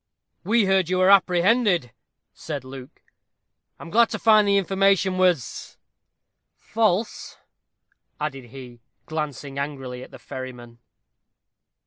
"We heard you were apprehended," said Luke. "I am glad to find the information was false," added he, glancing angrily at the ferryman.